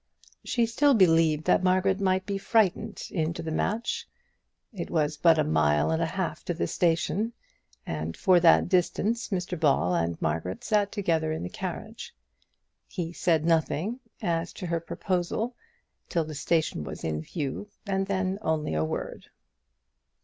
She still believed that Margaret might be frightened into the match. It was but a mile and a half to the station, and for that distance Mr Ball and Margaret sat together in the carriage. He said nothing to her as to his proposal till the station was in view, and then only a word.